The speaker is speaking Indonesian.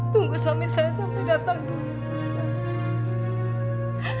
tunggu suami saya sampai datang dulu suster